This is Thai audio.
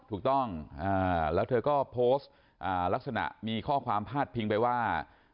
ถูกต้องแล้วเธอก็โพสต์ลักษณะมีข้อความพาดพิงไปว่า